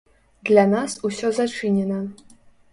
Для нас усё зачынена.